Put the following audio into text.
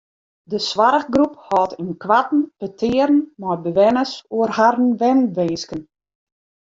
De soarchgroep hâldt ynkoarten petearen mei bewenners oer harren wenwinsken.